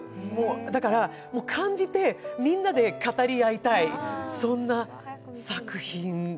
だから、感じて、みんなで語り合いたい、そんな作品。